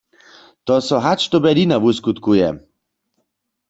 To so hač do Berlina wuskutkuje.